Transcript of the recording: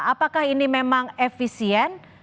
apakah ini memang efisien